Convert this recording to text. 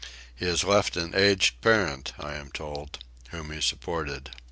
He has left an aged parent I am told, whom he supported.